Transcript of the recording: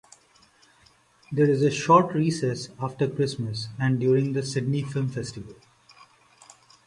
There is a short recess after Christmas and during the Sydney Film Festival.